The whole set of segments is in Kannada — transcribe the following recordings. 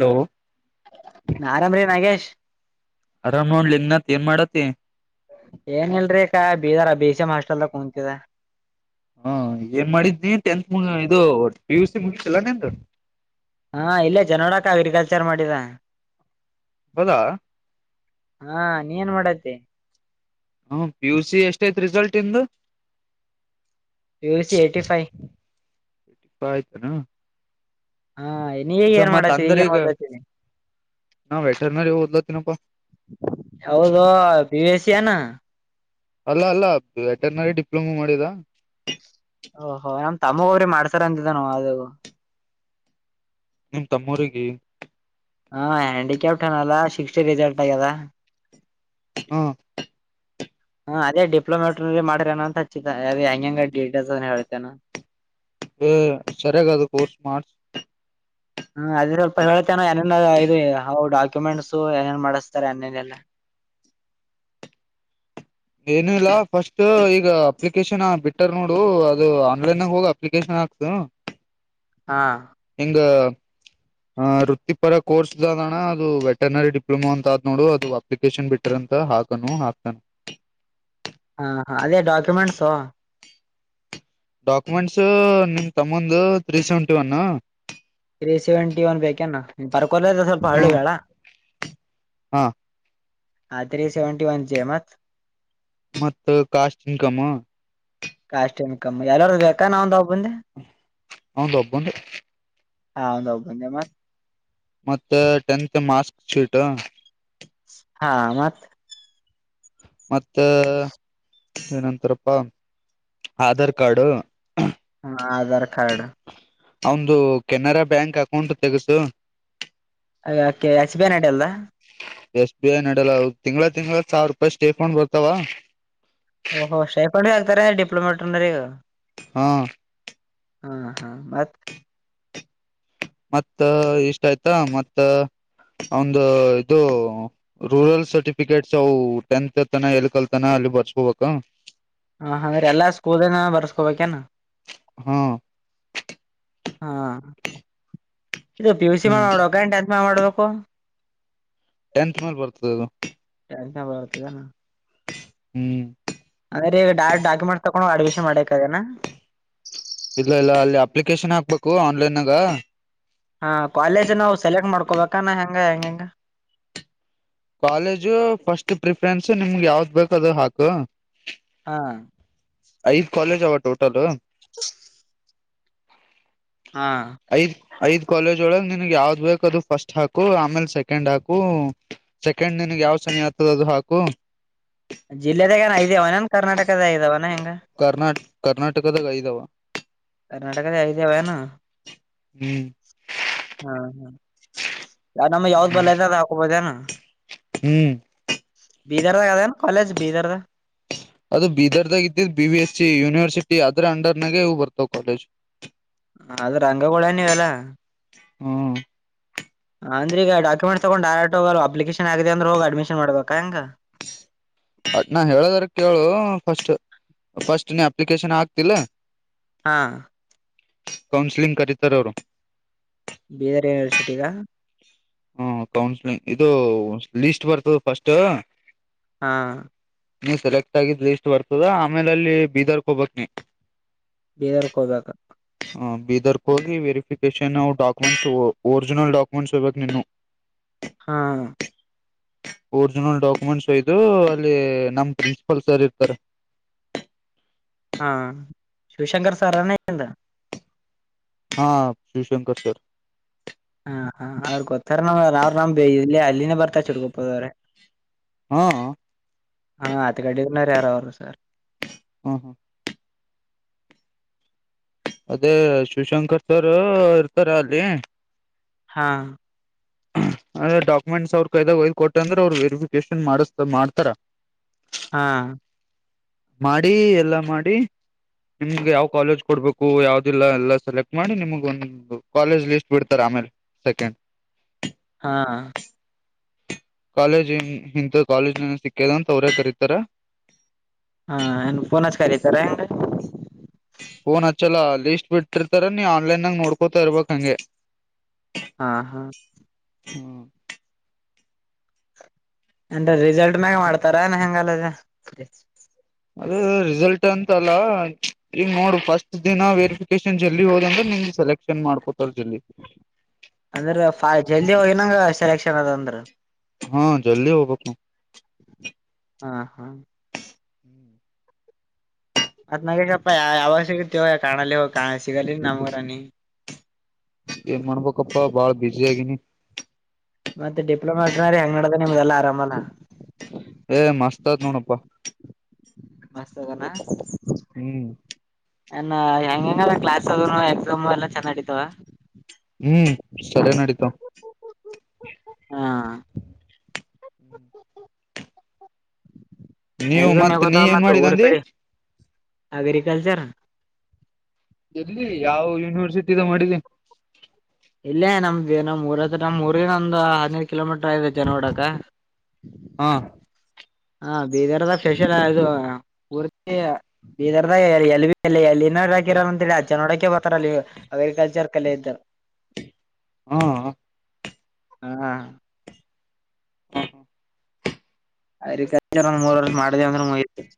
ಹಲೋ. ಆರಾಮ್ರೀ ನಾಗೇಶ್. ಅರಾಮ್ ನೋಡ ಲೇ ನತ್ ಏನ ಮಾಡತೀ. ಏನ್ ಇಲ್ರರಿಕಾ ಬೀದರ್ ಬಿ ಸಿ ಎಂ ಹಾಸ್ಟೆಲ್ದಾಗ ಕುಂತಿದ. ಹಾ ಏನ್ ಮಾಡಿದ್ದಿ ಟೆಂತ್ ಮು ಇದು ಪಿ ಯು ಸಿ ಮುಗಿಸಿಲ್ಲಾ ನಿಂದು. ಹಾ ಇಲ್ಲೇ ಜನೋಡಕ್ ಅಗ್ರಿಕಲ್ಚರ್ ಮಾಡಿದ. ಹೌದಾ. ಹಾ ನೀ ಎನ್ ಮಾಡತ್ತೆ. ಹ್ಮ ಪಿ ಯು ಸಿ ಎಷ್ಟ ಐತ್ ರಿಸಲ್ಟ್ ಇಂದು. P U C eighty five. ಪ್ಪ ಆಯ್ತನು. ಹಾ ನೀವಗ ಏನ್ ಮತ್ ಮಾಡಾತೀ ಈಗ ಎನ್ ಓದಲಾತೀರಿ. ನಾ ವೆಟರ್ನರಿ ಓದ್ ತಿನಪ್ಪ. ಹೌದ ಬಿ ವ ಸಿ ಯನ. ಅಲ್ಲ ಅಲ್ಲ ವೆಟರ್ನರಿ ಡಿಪ್ಲೊಮಾ ಮಾಡಿದ. ಓಹೋ ನಮ್ ತಮ್ಮಗ ಅವ್ರೀ ಮಾಡ್ತಾರ ಅಂತಿದ್ದ ನ ಅದು. ನಿಮ್ ತಮ್ಮೂರಿಗೆ. ಹಾ ಹ್ಯಾಂಡಿಕ್ಯಾಪ್ಟ್ ಅನಲ್ಲ ಸಿಕ್ಸ್ ರಿಸಲ್ಟ್ ಆಗ್ಯದ. ಹಾ. ಹಾ ಅದೇ ಡಿಪ್ಲೊಮ ವೆಟರ್ನರಿ ಮಾಡಿರೇನ ಅಂತ ಹಚ್ಚಿದ ಅ ಹೆಂಗ ಡಡಿಟೇಲ್ಸ್ ಅ ಹೇತೇನ. ಏ ಸರಿಗದು ಕೋರ್ಸ್ ಮಾಡಸ್. ಹ್ಮ ಅದ್ರ ಸ್ವಲ್ಪ ಹೇಳೇಳನ ಏನೇ ಇದು ಹಾವು ಡಾಕ್ಯುಮೆಂಟ್ಸ್ ಏನೇನ್ ಮಾಡಿಸ್ತಾರೆ ಅನ್ನೇಲ್ಲ. ಏನು ಇಲ್ಲ ಫಸ್ಟ್ ಈಗ ಅಪ್ಲಿಕೇಶನ್ ಬಿಟ್ಟಾರ ನೋಡು ಅದು ಆನ್ಲೈನ ನ್ಯಾಗ ಹೋಗ. ಅಪ್ಲಿಕೇಶನ್ ಹಾಕಸ. ಹಾ. ಹೆಂಗ. ಆ ವೃತ್ತಿಪರ ಕೋರ್ಸ್ ಅಣ್ಣ ಅದು ವೆಟೆನರಿ ಡಿಪ್ಲೊಮಾ ಅಂತ ಅ ಆದ್ ನೋಡು ಅದು. ಅಪ್ಲಿಕೇಶನ್ ಬಿಟ್ಟ್ರ ಅಂತ ಹಾಕನು ಹಾಕ್ತಾನ. ಹಾ ಹಾ ಅದೇ ಡಾಕ್ಯುಮೆಂಟ್ಸೋ. ಡಾಕ್ಯುಮೆಂಟ್ಸ್ ನಿಮ್ ತಮ್ಮಂದು three seventy one. Three seventy one ಬೇಕೇನ ಪ ಬರ್ಕೋರ್ದ ಸ್ವಲ್ಪ ಹ್ಮ ಹಳ್ಳು ಬೇಳ. ಹಾ. ಹಾ ತ್ರೀ ಸೆವೆಂಟಿ ಒನ್ ಜಿ ಮತ್. ಮತ್ ಕಾಸ್ಟ್ ಇನ್ಕಮ್. ಕಾಸ್ಟ್ ಇನ್ಕಮ್ ಎಲೋರ್ದು ಬೇಕ್ಕ ನಂದೋಬುಂದೆ. ಅವನ್ದು ಒಬ್ಬುಂದೆ. ಹಾ ಅವ್ನ್ ಒಬ್ಬುಂದೆ ಮತ್. ಮತ್ತೆ ಟೆಂತ್ ಮಾರ್ಕ್ಸ್ ಶೀಟ್. ಹಾ ಮತ್. ಮತ್ತ ಏನಂತಾರಪ್ಪ ಆಧಾರ್ ಕಾರ್ಡು. ಹಾ ಆಧಾರ್ ಕಾರ್ಡ್. ಅವನ್ದು ಕೆನರಾ ಬ್ಯಾಂಕ್ ಅಕೌಂಟ್ ತೆಗೆಸು. ಯಾಕೆ ಎಸ್ ಬಿ ಐ ನಡೆಲ್ಲ. ಎಸ್ ಬಿ ಐ ನಡೆಲ್ಲ ಅವ್ ತಿಂಗಗಳ ತಿಂಗಗಳ ಸಾವ್ರೂಪಾಯಿ ಸ್ಟೇಕೊಂಡ್ ಬರ್ತಾವ. ಓಹ ಶೇಪಣಿ ಅಂತರ ಡಿಪ್ಲೋಮಾಗ. [unintelligible] ಹಾ. ಹಾ ಹಾ ಮತ್ತ್. ಮತ್ತ ಇಷ್ಟ ಆಯ್ತಾ ಮತ್ತ ಅವನ್ದು ಇದು. ರೂಲ್ಸ್ ಸರ್ಟಿಫಿಕೇಟ್ಸ್ ಅವು ಟೆಂತ್ ತ್ತನ ಎಲ್ ಕಲ್ತನ ಅಲ್ಲಿ ಬರ್ಸ್ಕೋಬೇಕ. ಹಾ ಹಂಗಾರ ಎಲ್ಲ ಸ್ಕೂಲಿನವ ಬರ್ಸ್ಕೋಬೇಕೇನ್. ಹಾ. ಹಾ. ಇದು ಪಿ ಯು ಸಿ ಹ್ಮ್ ಮಡ್ಬೇಕ್ ಏನ್ ಟೆಂತ್ ಮಾಡ್ ಮಾಡ್ಬೇಕು. ಟೆಂತ್ ಮೇಲ್ ಬರ್ತದ ಟೆಂತ್ ಮ್ಯಾಗ ಬರ್ತದನ ಹ್ಮ್. ಅ್ಗದ್ರೆ ಈಗ ಡ ಡಾಕ್ಯುಮೆಂಟ್ಸ್ ತಗೊಂಡು ಅಡ್ಮಿನ್ ಮಾಡ್ಬೇಕೆನಾ. ಇಲ್ಲ ಇಲ್ಲ ಅಲ್ಲಿ ಅಪ್ಲಿಕೇಶನ್ ಹಾಕ್ಬೇಕು ಆನ್ಲೈನ್ನಾಗ. ಹಾ ಕಾಲೇಜ್ ನಾವು ಸೆಲೆಕ್ಟ್ ಮಾಡ್ಕೋಬೇಕಾನ ಹೆಂಗ ಹೆಂಗ ಹೆಂಗ. ಕಾಲೇಜು ಫಸ್ಟ್ ಪ್ರಿಫರೆನ್ಸ್ ನಿಮ್ಗೆ ಯಾವ್ದ್ ಬೇಕ ಅದು ಹಾಕು. ಹಾ. ಐದು ಕಾಲೇಜ್ ಹವಾ ಟೋಟಲ್. ಹಾ. ಐದ್ ಐದ್ ಕಾಲೇಜ್ ಒಳಗ್ ನಿನ್ ಯಾವ್ದ್ ಬೇಕ ಅದು ಫಸ್ಟ್ ಹಾಕು ಆಮೇಲ್ ಸೆಕೆಂಡ್ ಹಾಕು. ಸೆಕೆಂಡ್ ನಿನಗ್ ಯಾವ ಶನಿ ಆತದ ಅದು ಹಾಕು. ಜಿಲ್ಲೆದಾಗಏ ಇದಾವನನ್ ಕರ್ನಾಟಕದ ಇದಾವವನ ಹೆಂಗ. ಕರ್ನಾಟ್ ಕರ್ನಾಟಕದ ಐದಾವ. ಕರ್ನಾಟಕದ ಯಐದೆವಾನ. ಹ್ಮ್ ಹ್ಮ ಹ್ಮ ಯ ನಮ್ಮ್ ಯಾವ್ದ್ ಬಲ್ಲೆತ ಅದು ಹಾಕೊಬೊದೆನು. ಹ್ಮ್. ಬೀದರ್ದ ಅದೇನು ಕಾಲೇಜ್ ಬೀದರ್ದ. ಅದು ಬೀದರ್ದಾಗ ಇದ್ದ್ B V S C university ಅದ್ರ ಅಂಡರ್ನಾಗೆವು ಬರ್ತಾವ್ ಕಾಲೇಜ್. ಅದ ರಂಗಗೂಳೇನ್ನೀವೆಲ್ಲ. ಹ್ಮ್. ಅಂದ್ರೀಗ ಡಾಕ್ಯುಮೆಂಟ್ಸ್ ತೊಗೊಂಡ ಡರೆಕ್ಟ್ ಹೋಗ್ ಅಪ್ಲಿಕೇಶನ್ ಆಗಿದೆ ಅಂದ್ರ್ ಹೋಗ್ ಅಡ್ಮಿಷನ್ ಮಾಡಬೇಕಾಂಗ. ನಾ ಹೇಳದರ ಕೇಳು ಫಸ್ಟ್ ಫಸ್ಟ್ ನೀ ಅಪ್ಲಿಕೇಶನ್ ಆಗ್ತಿಲ್ಲ. ಹಾ. ಕೌನ್ಸಿಲಿಂಗ್ ಕರಿತ್ತಾರೆ ಅವರು. ಬೀದರ್ ಯೂನಿವರ್ಸಿಟಿಗ. ಹ್ಮ ಕೌನ್ಸ್ಲಿಂಗ್ ಇದು ಲೀಸ್ಟ್ ಬರ್ತದ ಫಸ್ಟ್ ಹಾ ನೀ ಸೆಲೆಕ್ಟ್ ಆಗಿದ್ ಲೀಸ್ಟ್ ಬರ್ತದ ಆಮೇಲ ಅಲ್ಲಿ ಬೀದರ್ಕ್ ಹೋಗಬೇಕ್ ನೀ ಬೀದರಕ್ ಹೋಗಬೇಕ ಹ್ಮ್ ಬೀದರ್ಕ್ ಹೋಗಿ ವೆರಿಫಿಕೇಶನ್ವು ಡಾಕ್ಯುಮೆಂಟ್ಸ್ ಒರಿಜಿನಲ್ ಡಾಕ್ಯುಮೆಂಟ್ಸ್ ವೈಬೇಕ ನೀನುವ [inaudible] ಹಾ ಒರಿಜಿನಲ್ ಡಾಕ್ಯುಮೆಂಟ್ಸ್ ಒಯದು ಅಲ್ಲಿ ನಮ್ ಪ್ರಿನ್ಸಿಪಲ್ ಸರ್ ಇರ್ತಾರೆ ಹಾ ಶಿವಶಂಕರ್ ಸಾರನ್ ನಿಂದ ಹಾ ಶಿವಶಂಕರ್ ಸರ್ ಹಾ ಹಾ ಅವ್ರ್ ಗೊತ್ತಾರ ನನಗದ ಅವ್ರ್ ನಮ್ ಇಲ್ಲಿ ಅಲ್ಲಿನೇ ಬರ್ತ ಶೀರಗೂಪ್ಪದವ್ರೆ ಹ್ಮ್ ಹ್ಮ್ ಹಾ ಅತ್ತ ಗಡಿಗನರೆ ಆರಾವರು ಸರ್ ಹ್ಮ್ ಹ್ಮ್ ಅದೇ ಶಿವಶಂಕರ್ ಸರ್ ಇರ್ತಾರೆ ಅಲ್ಲಿ ಹಾ ಅದೇ ಡಾಕ್ಯುಮೆಂಟ್ಸ್ ಅವ್ರ ಕೈದಾಗ ಒಯದ ಕೊಟ್ಟ ಅಂದ್ರ ಅವರು ವೆರಿಫಿಕೇಶನ್ ಮಾಡಸತ ಮಾಡ್ತಾರ ಹಾ ಮಾಡಿ ಎಲ್ಲಾ ಮಾಡಿ ನಿಮ್ಗ ಯಾವ್ ಕಾಲೇಜ್ ಕೊಡ್ಬೇಕು ಯಾವ್ದಿಲ್ಲ ಎಲ್ಲ ಸೆಲೆಕ್ಟ್ ಮಾಡಿ ನಿಮ್ಗ ಒಂದು ಕಾಲೇಜ್ ಲಿಸ್ಟ್ ಬಿಡ್ತಾರ ಆಮೇಲ್ ಸೆಕೆಂಡ್ ಹಾ ಹ್ ಕಾಲೇಜ್ ಹಿಂತ ಹಿಂತದ ಕಾಲೇಜ್ ನಿನ್ಗ ಸಿಕ್ಕೆದ ಅಂತ ಅವ್ರೇ ಕರೀತರ್ ಹ್ ಏನ್ ಪೋನ ಹಚ್ಚಿ ಕರಿತಾರ ಹೆಂಗರಿ ಫೋನ್ ಹಚ್ಚಲ್ಲಾ ಲೀಸ್ಟ್ ಬಿಟ್ಟಿರ್ತಾರ ನೀ ಆನಲೈನಾಗ ನೋಡ್ಕೋತಾ ಇರ್ಬೇಕ್ ಹಂಗೆ ಹಾ ಹಾ ಹ್ಮ ಅಂದ್ರ ರಿಸಲ್ಟ್ ಮ್ಯಾಗ ಮಾಡ್ತಾರ ಏನ ಹೆಂಗಲ್ಲದೆ ಅದ್ ರಿಸಲ್ಟ್ ಅಂತ ಅಲ್ಲ ಈಗ ನೋಡ ಫಸ್ಟ್ ದಿನ ವೆರಿಫಿಕೇಶನ್ ಜಲ್ದಿ ಹೋದ ಅಂದ್ರ ನಿನ್ಗ ಸೆಲೆಕ್ಷನ್ ಮಾಡ್ಕೊತಾರ ಜಲ್ದಿ ಅಂದ್ರ ಫೈ ಜಲ್ದಿ ಹೋಗಿನಂಗರ ಸೆಲೆಕ್ಷನ್ ಅದ ಅಂದ್ರ ಹ್ಮ್ ಜಲ್ದಿ ಹೋಬಕ್ಕ ನೋಡ್ ಹಾ ಹಾ ನೀ ಮತ್ ನಾಗೆಗಪ್ಪ ಯ ಯಾವಾಗ ಸಿಗುತ್ತಿವೂ ಕಾಣಲೆ ಹೋಗ ಕ ಸಿಗಲ್ಲೆ ನಮ್ಗರನಿ ಏನ್ ಮಾಡ್ಬೇಕಪ್ಪಾ ಬಾಳ ಬಿಜಿ ಆಗಿನಿ ಮತ್ತ ಡಿಪ್ಲೋಮಾ ಇಟ್ಟನ್ರ ಹೆಂಗನಡ್ದದ್ ನಿಮ್ದೆಲ್ಲ ಆರಾಮ ಅಲ್ಲ ಏ ಮಸ್ತದ್ ನೋಡಪ್ಪ ಮಸ್ತದನ್ ಹ್ಮ್ ಏನ್ನ್ ಹೆಂಗೆಂಗದ ಕ್ಲಾಸ್ ಅದನು ಎಕ್ಸಾಮು ಎಲ್ಲಾ ಚೆನ್ನಡಿತವ್ ಹ್ಮ್ ಸರಿ ನಡೀತವ್ ಹ್ ನೀವು ಎಕ್ಸಾಮ್ ನೀ ಯವದದ್ ಏನ್ ಮತ್ ಮಾಡಿದ ಊರ ಅಂದಿ ಕಡೆ ಅಗ್ರಿಕಲ್ಚರ್ ಎಲ್ಲಿ ಯಾವ ಯೂನಿವರ್ಸಿಟಿದಗ ಮಾಡಿದಿ ಇಲ್ಲೇ ನಮ್ದಗ ನಮ್ದ ಮೂರೆಸಟಂ ನಮ್ ಊರಿಂದ ಒಂದ್ ಹದಿನೈದ ಕಿಲೋಮೀಟರ್ ಆಗತ ನೋಡಕ ಹಾ ಹಾ ಬೀದರ್ದ ಸ್ಪೆಷಲ್ ಇದು ಪೂರ್ತಿ ಬಿದರ್ದ ಎ ಎಲ್ಲಿ ನೋಡಾಕಿರಲ್ಲ ಅಂತ ಹೇಳಿ ಅಜ್ಜ ನೋಡಾಕೆ ಬರ್ತಾರ ಅಲ್ಲಿ. ಅಗ್ರಿಕಲ್ಚರ್ ಕಲತ ಹ್ಮ ಹಾ [inaudible] ಅಗ್ರಿಕಲ್ಚರ್ ಒಂದ ಮೂರ ವರ್ಷ್ ಮಾಡಿದ ಅಂದ್ರ ಮುಗಿತ.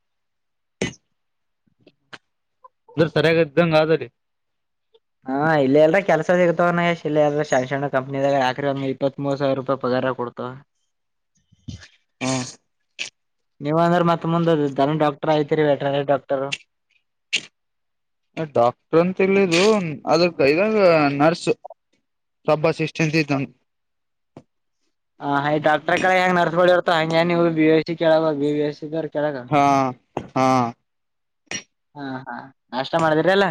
ಅಂದ್ರ ಸರಿಯಾಗಿ ಇದ್ದಂಗ ಆದರಿ. ಹಾ ಇಲ್ಲ ಎಲ್ಲ ಕೆಲ್ಸ ಸಿಗತವನ ಇಲ್ಲಿ ಎಲ್ ಶ್ಯಾಣ್ ಕಂಪ್ನಿದದಾಗಾರ ಒ ಇಪ್ಪತ್ ಮೂವ ಸಾವರಪಾಯಿ ಪಗಾರ ಕೊಡ್ತವ. ಹಾ ನೀವ ಅಂದ್ರ ಮತ್ತ ಮುಂದ ಧನ್ ಡಾಕ್ಟರ್ ಐತಿರಿ ವೆಟನರಿ ಡಕ್ಟರ್. ಡಾಕ್ಟರ್ ಅಂತ ಇಲ್ಲಿದು ಅದಕ ಇದ ನರ್ಸ್. ಸಬ್ಬ ಸಷ್ಟ್ಟೆಂತ ಇದ್ದ ಹ ಹಯ್ ಡಾಕ್ಟರ್ ಕಡೆ ಹೆಂಗ ನರ್ಸ್ ಬಳಿ ಹಂಗ ನೀವು ಬಿ ಎಸ್ ಸಿ ಕೇಳವ ಬ ಬಿ ಎಸ ಹಾ ಹಾ ಹಾ ಹಾ ನಾಷ್ಟ ಮಾಡದ್ರಿ ಅಲ್ಲಾ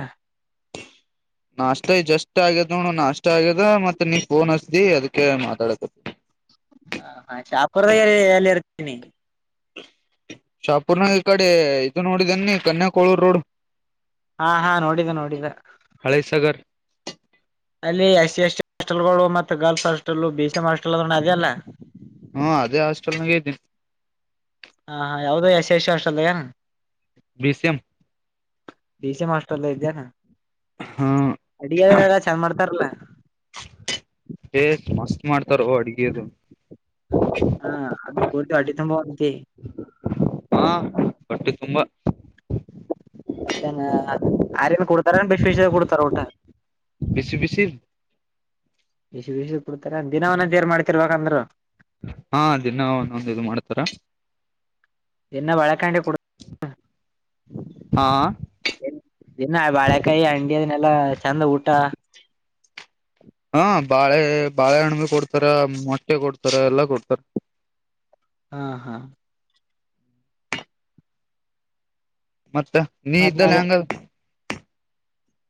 ನಾಷ್ಟ ಜಸ್ಟ್ ಆಗ್ಯದ ನೋ ನಾಷ್ಟ ಆಗ್ಯದ ಮತ್ತ ನೀ ಫೋನ್ ಹಸ್ದಿ ಅದಕ್ಕೆ ಮಾತಾಡತ. ಹಾ ನಾ ಚಾಪುರದಾಗ ಎಲ್ಲಿ ಇರ್ತೀನಿ. ಶಾಪೂರ್ನ ಈ ಕಡೆ ಇದು ನೋಡಿದನ್ನಿ ಕನ್ಯಾ ಕೋಳೂರ್ ರೋಡ್. ಹಾ ಹಾ ನೋಡಿದ ನೋಡಿದ. ಹಳೈಸಾಗರ ಅಲ್ಲಿ ಎಸ್ ಸಿ ಎಸ್ ಹಾಸ್ಟೆಲ್ಗಳು ಮತ್ತೆ girls hostel B C M hostel ಅದ ಅದೆ ಅಲ್ಲ. ಹ್ಮ ಅದೇ ಹಾಸ್ಟೆಲ್ ನಾಗ ಇದ್ದನಿ. ಹಾ ಯಾವುದ ಯಸ್ ಯಶು ಅಷ್ಟ ಏನ್. B C M D C ಮಾಸ್ಟರ್ಲ್ಲ ಇದ್ಯಾನ. ಹ ಅಡಿಯ ಏನಾರ ಚಂದ್ ಮಾಡ್ತಾರಲ್ಲ. ಏ ಮಸ್ತ ಮಾಡ್ತಾರ್ರೋ ಅಡ್ಗೆದು. ಹಾ ಅಂದ್ರ ಪೂರ್ತಿ ಹೊಟ್ಟಿ ತಂಬ ಉಂತಿ. ಹಾ ಹೋಟ್ಟ ತುಂಬಾ ಮತ್ತೇನ ಆರದ ಕೊಡ್ತಾರ ಬಷ ಬಿಷ ಕುಡ್ತಾರ ಊಟ. ಬಿಸಿ ಬಿಸಿ ಬಿಸಿ ಬಿಸಿ ಕೊಡ್ತಾರ ದಿನವನ ಏರ್ ಮಾಡ್ತಿರ್ಬೇಕಂದ್ರರು. ಹಾ ದಿನ ಒಂದೊಂದ ಇದ ಮಾಡ್ತಾರ. ಎನ್ನ ಬಳಕ ಹಾ ದಿನ ಬಾಳೆಕಾಯಿ ಹಂಗೆ ಇದನ್ನೆಲ್ಲಾ ಚೆಂದ ಊಟ ಹಾ ಬಾಳೆ ಬಾಳೆಹಣ್ಣಬ ಕೊಡ್ತಾರ ಮೊಟ್ಟೆ ಕೊಡ್ತಾರ ಎಲ್ಲಾ ಕೊಡ್ತಾರ. ಹಾ ಹಾ ಮತ್ತ ನೀ ಮತ್ ಇದ್ದಲ್ಲ ಹೆಂಗ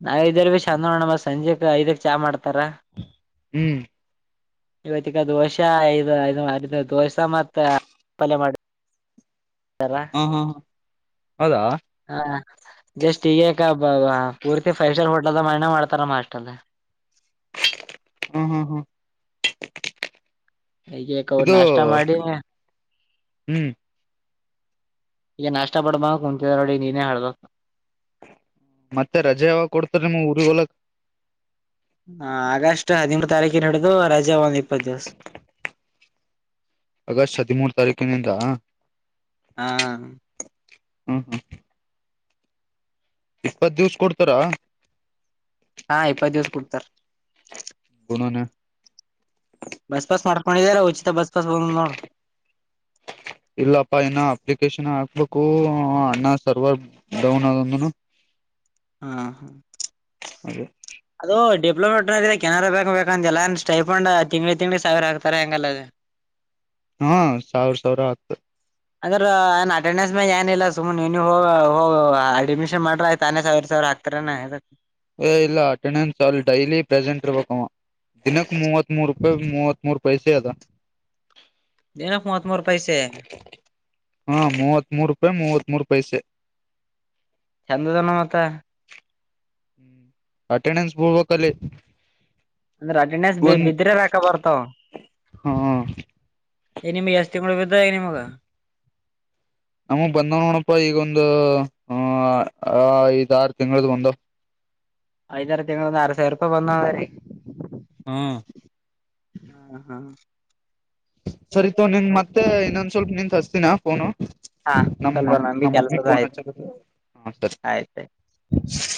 ನಾ ಇದಲಿ ಭೀ ಚಂದ ನೋಣಮ್ಮ ಸಂಜೆಕ ಐದಕ್ ಚಾ ಮಾಡ್ತಾರ. ಹ್ಮ ಇವತ್ತಗ ದೋಸಾ ಐದು ಐದು ದೋಸೆ ಮತ್ತ ಪಲ್ಯ ಮಾಡ. ಹಾ ಹಾ ಹಾ ಹೌದಾ. ಹ ಜಸ್ಟ್ ಈಗ ಪೂರ್ತಿ ಫೈವ್ ಸ್ಟಾರ್ ಹೋಟೆಲ್ ಮ್ಣ ಮಾಡ್ತಾರ ಮ ಅಷ್ಟ ಅಲ್. ಹ್ಮ ಹ್ಮ್ ಹ್ಮ್. ಈಗ ಅವ ನಾಷ್ಟ ಮಾಡಿ. ಹ್ಮ್ ಈಗ ನಷ್ಟ ಪಡಬಕ್ ಕುಂತಿದ ನೋಡಿ ನೀನೇ ಹಲಬೇಕ. ಮತ್ತೆ ರಜೆ ಯಾವಾಗ ಕೊಡ್ತಾರ ನಿಮ್ ಊರಿಗ್ ಹೋಲಕ್. ಹಾ ಆಗಸ್ಟ್ ಹದಿಮೂರು ತಾರೀಕಿನ ನಡದು ರಜೆ ಒಂದ್ ಇಪ್ಪತ್ತು ದಿವಸ. ಆಗಸ್ಟ್ ಹದಿಮೂರು ತಾರೀಕಿನಿಂದ. ಹಾ. ಹ್ಮ ಹ್ಮ. ಇಪ್ಪತ್ ದಿವ್ಸ ಕೊಡ್ತಾರಾ. ಹಾ ಇಪ್ಪತ್ತು ದಿವಸ ಕೊಡ್ತಾರೆ. ಕುಣನೆ. ಬಸ್ ಪಾಸ್ ಮಾಡ್ಕೊಂಡಿದರ ಉಚಿತ ಬಸ್ ಪಾಸ್ ಬಂದ ನೋಡು. ಇಲ್ಲಪ್ಪಾ ಇನ್ನು ಅಪ್ಲಿಕೇಶನ್ ಹಾಕ್ಬೇಕು ಅಣ್ಣ ಸರ್ವರ್ ಡೌನ್ ಅದಂದನು. ಹಾ ಹಾ. ಅದೆ. ಅದು ಡಿಪ್ಲೊಮಾ [unintelligible] ಕೆನಾರ ಬ್ಯಾಂಕ್ ಬೇಕ ಅಂತ ಎಲ್ಲ ಅ ಸ್ಟೈಫೊಂಡ್ ತಿಂಗಳ ತಿಂಗ್ಳ ಸಾವಿರ ಹಾತಾರ ಹೆಂಗಲ್ಲ ಅದು. ಹ್ಮ ಸಾವರ ಸಾವರ ಹಕ್ತಾರ. ಅದ್ರ ನನ್ ಅಟೆಂಡೆನ್ಸ್ ಮ್ಯಾಗ ಏನಿಲ್ಲ ಸುಮ್ ನೀನ ಹೋಗೋಗ ಅಡ್ಮಿಷನ್ ಮಾಡ್ರ ಆಯತ ತಾನೇ ಸಾವಿರ ಸಾವಿರ ಆಗ್ತ. ಹತ್ರ ನ. ಹೆ ಇಲ್ಲ ಅಟೆಂಡೆನ್ಸ್ ಅಲ್ಲಿ ಡೈಲಿ ಪ್ರೆಸೆಂಟ್ ಇರ್ಬೇಕ ಅವ ದಿನಕ್ ಮೂವತ್ ಮೂರು. ಬೈ ಮೂವತ್ ಮೂರು ಪೈಸೆ ಅದಾ. ದಿನಕ್ ಮೂವತ್ ಮೂರು ಪೈಸೆ. ಹಾ ಮೂವತ್ ಮೂೂರು ರೂಪಾಯಿ ಮೂವತ್ ಮೂರು ಪೈಸೆ. ಚಂದದನ ಮಾತ. ಹ್ಮ್ ಅಟೆಂಡೆನ್ಸ್ ಬಿಲ್ಲಬೇಕ ಅಲ್ಲಿ. ಅಂದ್ರೆ ಅಟೆಂಡೆನ್ಸ್ ಬಿದ್ದ ಬಿದ್ರೆ ರಕ ಬರ್ತಾವ. ಹ ಎ ನಿಮಗೆ ಎಸ್ಟ್ ತಿಂಗಳ ಬಿದ್ದವ ನಿಮಗ ಈಗ. ನಮಗ್ ಬಂದವ್ ನೋಡಪ್ಪಾ ಈಗೊಂದು ಆ ಐದ್ ಆರು ತಿಂಗಳ್ದ ಬಂದವ್. ಐದ ಆರ ತಿಂಗಳ ದ್ದ ಆರ ಸಾವರ ರೂಪಾಯಿ ಬಂದವ ಹಂಗಾರೆ. ಹ್ಮ್ಮ್. ಹ್ಮ ಹಾ. ಸರಿ ತಗೋ ನಿನ್ ಮತ್ತೆ ಇನ್ನೊಂದ ಸ್ವಲ್ಪ ನಿಂತ ಹಚ್ಚತಿನ ಫೋನು. ಹಾ ನಮ್ಮ ಸ್ವಲ್ಪ ನಮ್ಗೆ ನಮ್ಮ ಮಮ್ಮಿ ಕೆಲ್ಸದ ಫೋನ ಆಯ್ತು ಹಚ್ಚಕತಾತಿ ಹಾ ಆಯ್ತು ಸರಿ.